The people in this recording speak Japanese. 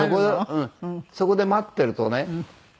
そこで待ってるとね。